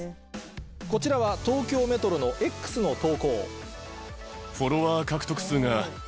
こちらは東京メトロのＸの投稿。